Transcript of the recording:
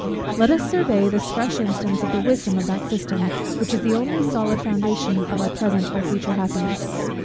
Let us survey this fresh instance of the wisdom of that system, which is the only solid foundation of our present or future happiness.